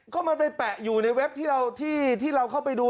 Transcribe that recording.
ก็มันไปแปะอยู่ในเว็บที่เราเข้าไปดู